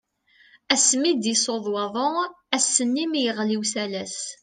Asmi i d-yessuḍ waḍu, ass-nni mi yeɣli usalas.